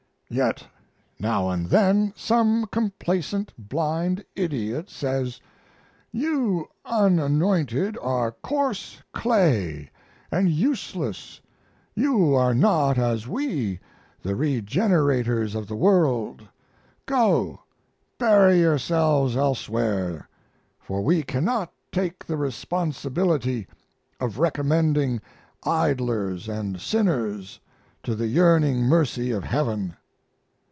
Yet now and then some complacent blind idiot says, "You unanointed are coarse clay and useless; you are not as we, the regenerators of the world; go, bury yourselves elsewhere, for we cannot take the responsibility of recommending idlers and sinners to the yearning mercy of Heaven."